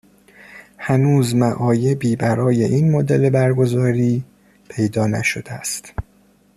هنوز معایبی برای این مدل برگزاری پیدا نشده است.